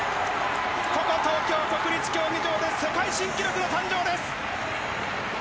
ここ東京国立競技場で世界新記録が誕生です。